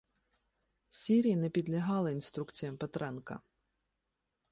сірі не підлягали інструкціям Петренка.